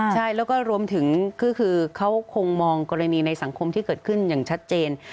ใช่แล้วก็รวมถึงคือเขาคงมองกรณีในสังคมที่เกิดขึ้นอย่างชัดเจน